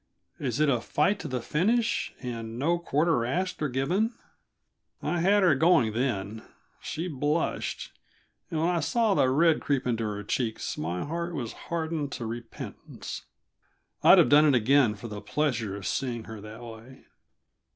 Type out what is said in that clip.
Is it a fight to the finish, and no quarter asked or given?" I had her going then. She blushed and when I saw the red creep into her cheeks my heart was hardened to repentance. I'd have done it again for the pleasure of seeing her that way.